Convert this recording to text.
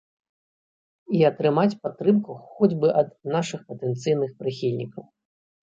І атрымаць падтрымку хоць бы ад нашых патэнцыйных прыхільнікаў.